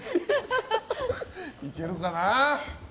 いけるかな？